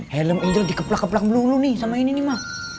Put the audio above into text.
helm itu dikeplak keplak melulu nih sama ini nih mah